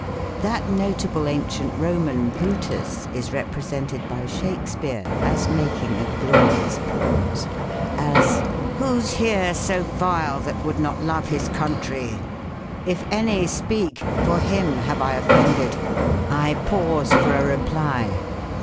That notable Ancient Roman, Brutus, is represented by Shakspeare as making a glorious pause : as " WIk '« 118 THE COMie ENGLISH GRAMMAR. here so vile that would not love his country ? If any, speak, for him have I offended. I pause for a reply."